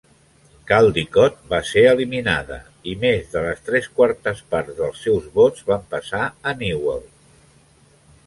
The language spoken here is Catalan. Caldicott va ser eliminada, i més de les tres quartes parts dels seus vots van passar a Newell.